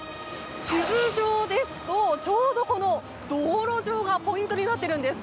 地図上ですとちょうど、この道路上がポイントになっているんです。